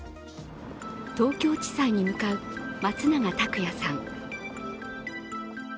東京地裁に向かう松永拓也さん。